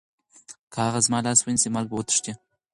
که هغه زما لاس ونیسي، مرګ به وتښتي.